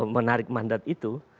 menarik mandat itu